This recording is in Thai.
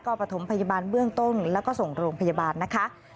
ประถมพยาบาลเบื้องต้นแล้วก็ส่งโรงพยาบาลนะคะ